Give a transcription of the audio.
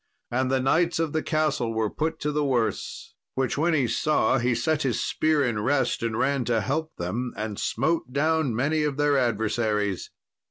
And the knights of the castle were put to the worse; which when he saw, he set his spear in rest and ran to help them, and smote down many of their adversaries.